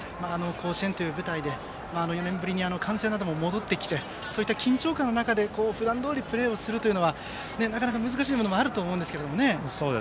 甲子園という舞台で４年ぶりに歓声なども戻ってきてそういった緊張感の中で普段どおりプレーをするというのはなかなか難しいものもあると思うんですがね。